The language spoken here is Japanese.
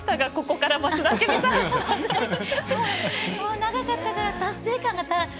長かったから、達成感が。